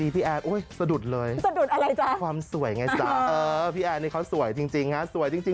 พี่แอนทองประสม